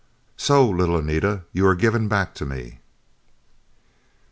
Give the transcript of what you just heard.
"So, little Anita, you are given back to me!"